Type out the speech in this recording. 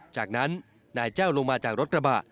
จากนั้นนายแจ้วลงมาจากรถกระบะ